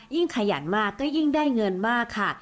ขยันมากก็ยิ่งได้เงินมากค่ะ